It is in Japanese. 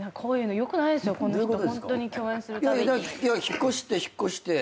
引っ越して引っ越して。